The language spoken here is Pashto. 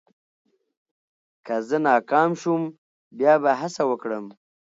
که زه ناکام شوم، بیا به هڅه وکړم.